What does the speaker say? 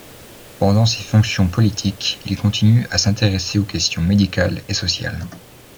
Pendant ses fonctions politiques, il continue à s’intéresser aux questions médicales et sociales.